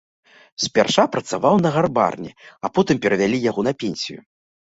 Спярша працаваў на гарбарні, а потым перавялі яго на пенсію.